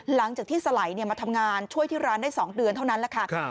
หลังจากที่สไหลมาทำงานช่วยที่ร้านได้๒เดือนเท่านั้นแหละค่ะ